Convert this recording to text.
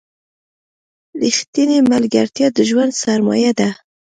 رښتینې ملګرتیا د ژوند سرمایه ده.